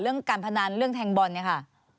การพนันเรื่องแทงบอลเนี่ยค่ะ